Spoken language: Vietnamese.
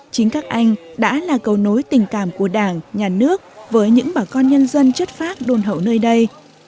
chính các anh đã là cầu nối tình cảm của đảng nhà nước với những bà con nhân dân chất phác đôn hậu nơi đây